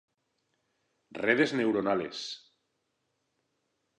Redes neuronales.